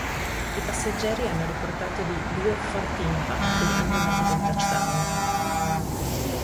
I passeggeri hanno riportato di "due forti impatti" al momento del touchdown.